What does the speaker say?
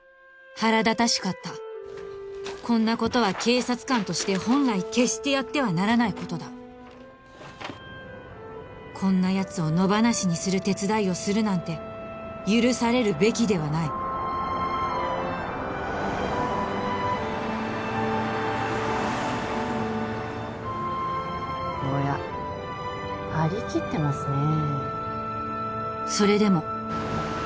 腹立たしかったこんなことは警察官として本来決してやってはならないことだこんなやつを野放しにする手伝いをするなんて許されるべきではないおや張り切ってますねえ